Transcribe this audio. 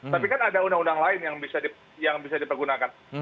tapi kan ada undang undang lain yang bisa dipergunakan